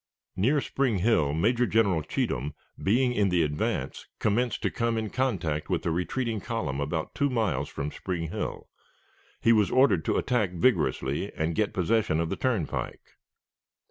Near Spring Hill Major General Cheatham, being in the advance, commenced to come in contact with the retreating column about two miles from Spring Hill. He was ordered to attack vigorously, and get possession of the turnpike.